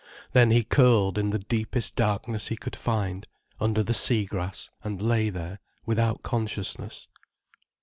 Then he curled in the deepest darkness he could find, under the sea grass, and lay there without consciousness.